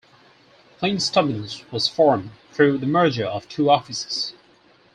KlingStubbins was formed through the merger of two offices.